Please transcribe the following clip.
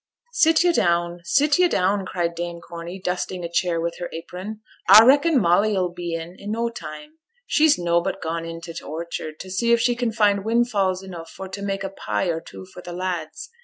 'Sit yo' down, sit yo' down!' cried Dame Corney, dusting a chair with her apron; 'a reckon Molly 'll be in i' no time. She's nobbut gone int' t' orchard, to see if she can find wind falls enough for t' make a pie or two for t' lads.